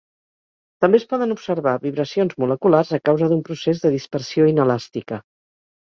També es poden observar vibracions moleculars a causa d'un procés de dispersió inelàstica.